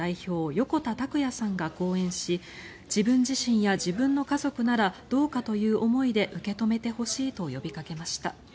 横田拓也さんが講演し自分自身や自分の家族ならどうかという思いで受け止めてほしいと呼びかけました。